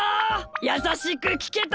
やさしくきけた？